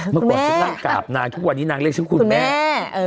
เมื่อก่อนฉันนั่งกราบนางทุกวันนี้นางเรียกฉันคุณแม่